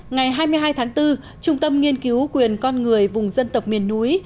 ngày hai mươi hai tháng bốn trung tâm nghiên cứu quyền con người vùng dân tộc miền núi